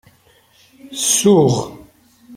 Suɣ.